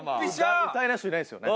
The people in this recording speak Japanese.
歌えない人いないですよね。